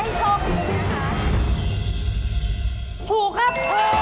เออสุดยอด